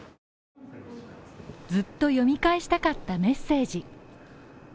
ずっと読み返したかったメッセージ。